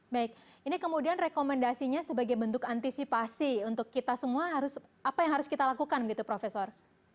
baik ini kemudian rekomendasinya sebagai bentuk antisipasi untuk kita semua harus apa yang harus kita lakukan gitu profesor